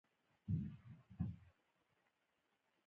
کندهار د افغانستان د ځایي اقتصادونو بنسټ دی.